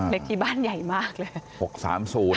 ที่บ้านใหญ่มากเลย